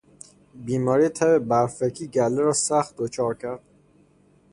بیماری تب برفکی گله راسخت دچار کرد.